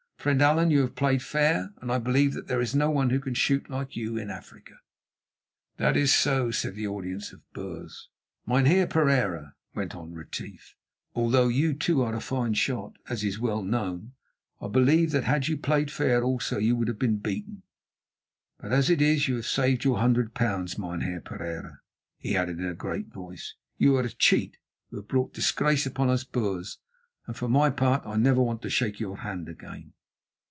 Friend Allan, you have played fair, and I believe that there is no one who can shoot like you in Africa." "That is so," said the audience of Boers. "Mynheer Pereira," went on Retief, "although you, too, are a fine shot, as is well known, I believe that had you played fair also you would have been beaten, but as it is you have saved your hundred pounds. Mynheer Pereira," he added in a great voice, "you are a cheat, who have brought disgrace upon us Boers, and for my part I never want to shake your hand again."